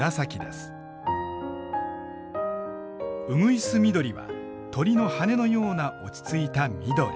鶯緑は鳥の羽のような落ち着いた緑。